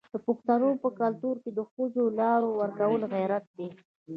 د پښتنو په کلتور کې د ښځو لار ورکول غیرت دی.